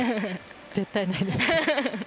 絶対ないですよ。